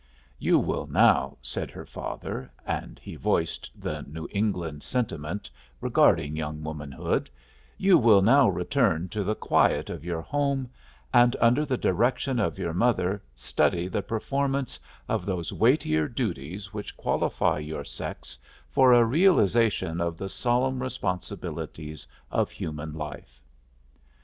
"You will now," said her father, and he voiced the New England sentiment regarding young womanhood; "you will now return to the quiet of your home and under the direction of your mother study the performance of those weightier duties which qualify your sex for a realization of the solemn responsibilities of human life."